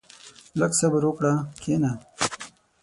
• لږ صبر وکړه، کښېنه.